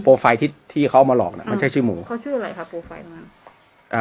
โปรไฟล์ที่ที่เขาเอามาหลอกน่ะมันใช่ชื่อหมูเขาชื่ออะไรคะโปรไฟล์ของมัน